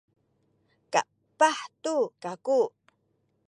kapah tu kaku